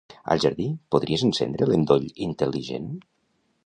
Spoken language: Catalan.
Al jardí, podries encendre l'endoll intel·ligent?